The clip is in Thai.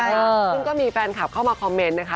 ซึ่งก็มีแฟนคลับเข้ามาคอมเมนต์นะคะ